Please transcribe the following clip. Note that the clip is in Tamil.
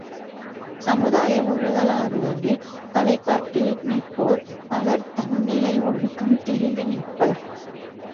சமுதாய ஒழுகலாறுகளில் தலைப்பட்டு நிற்போர் பலர் தன்னிலை ஒழுக்கம் திரிந்து நிற்பர்.